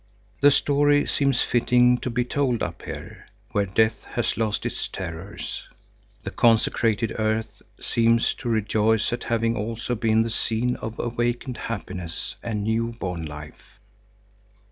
The story seems fitting to be told up here, where death has lost its terrors. The consecrated earth seems to rejoice at having also been the scene of awakened happiness and new born life.